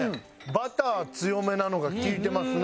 バター強めなのが利いてますね。